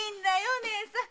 義姉さん